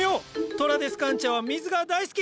トラデスカンチアは水が大好き！